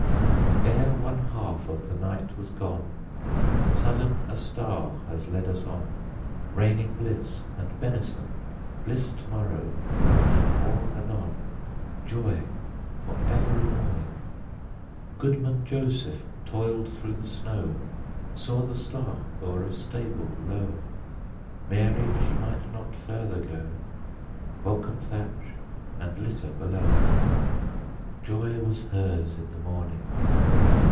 For ere one half of the night was gone, Sudden a star has led us on, Raining bliss and benison— Bliss to morrow and more anon, Joy for every morning! Goodman Joseph toiled through the snow— Saw the star o'er a stable low; Mary she might not further go— Welcome thatch, and litter below! Joy was hers in the morning!